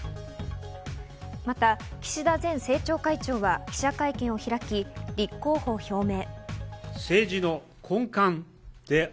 また岸田前政調会長は記者会見を開き立候補を表明。